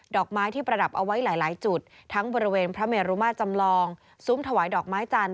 อกไม้ที่ประดับเอาไว้หลายจุดทั้งบริเวณพระเมรุมาจำลองซุ้มถวายดอกไม้จันท